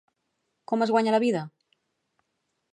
Com es guanya la vida?